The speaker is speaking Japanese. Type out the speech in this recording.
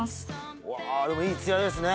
うわでもいいツヤですね。